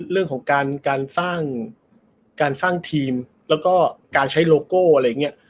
เรื่องของการสร้างการสร้างทีมแล้วก็การใช้โลโก้อะไรอย่างนี้